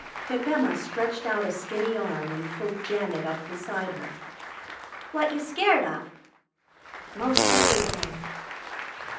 Pip Emma stretched out a skinny arm and pulled Janet up beside her. "What you scared of?" "'Most everything."